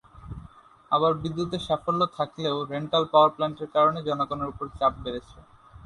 আবার বিদ্যুতে সাফল্য থাকলেও রেন্টাল পাওয়ার প্ল্যান্টের কারণে জনগণের ওপর চাপ বেড়েছে।